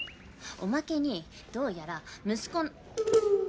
おまけにどうやら息子。